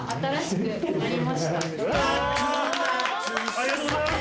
ありがとうございます。